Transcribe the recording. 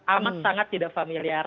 amat sangat tidak familiar